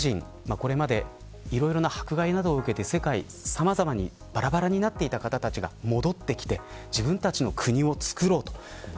これまでいろいろな迫害などを受けて世界さまざまにばらばらになっていた方たちが戻ってきて自分たちの国をつくろうと。